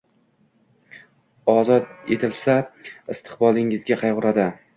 Ozod etilsa, istiqbolingizga qayg’uradi.